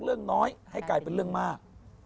เรื่องน้อยให้กลายเป็นเรื่องมาก